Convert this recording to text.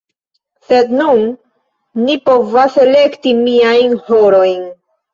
Sed nun mi povas elekti miajn horojn.